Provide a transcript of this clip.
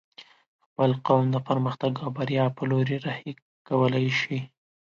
خپل قوم د پرمختګ او بريا په لوري رهي کولی شې